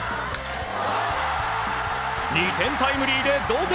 ２点タイムリーで同点！